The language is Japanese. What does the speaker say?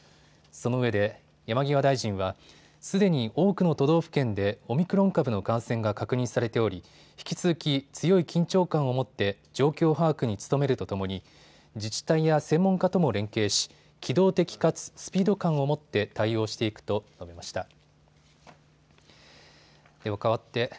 その上で、山際大臣は、すでに多くの都道府県でオミクロン株の感染が確認されており、引き続き、強い緊張感を持って状況把握に努めるとともに、自治体や専門家とも連携し、機動的かつスピード感を持って対応していくと述べました。